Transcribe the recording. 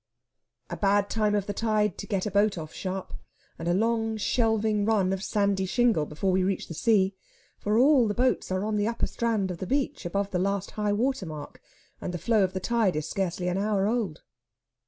A bad time of the tide to get a boat off sharp, and a long shelving run of sandy shingle before we reach the sea; for all the boats are on the upper strand of the beach, above the last high water mark, and the flow of the tide is scarcely an hour old.